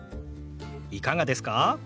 いかがですか？